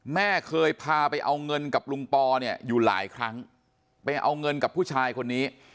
แม่เคยพาไปเอาเงินกับลุงปอเนี่ยอยู่หลายครั้งไปเอาเงินกับผู้ชายคนนี้